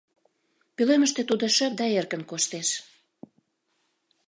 Пӧлемыште тудо шып да эркын коштеш.